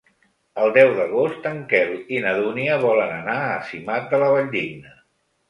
El deu d'agost en Quel i na Dúnia volen anar a Simat de la Valldigna.